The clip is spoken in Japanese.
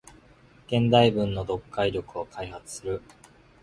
現代文の読解力を開発する